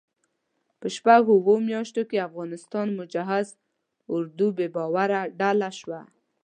په شپږو اوو میاشتو کې افغانستان مجهز اردو بې باوره ډله شوه.